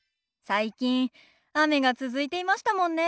最近雨が続いていましたもんね。